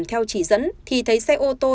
theo chỉ dẫn thì thấy xe ô tô